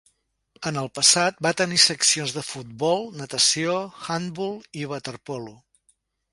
En el passat va tenir seccions de futbol, natació, handbol i waterpolo.